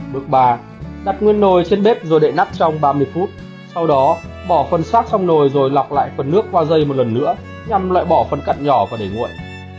bước ba đặt nguyên nồi trên bếp rồi đệ nắp trong ba mươi phút sau đó bỏ phân xác xong nồi rồi lọc lại phần nước qua dây một lần nữa nhằm loại bỏ phần cắt nhỏ và để nguội